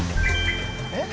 えっ？